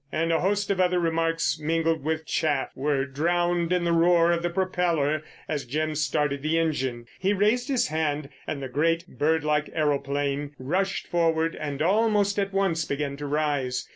"—and a host of other remarks, mingled with chaff, were drowned in the roar of the propeller as Jim started the engine. He raised his hand and the great, bird like aeroplane rushed forward and almost at once began to rise.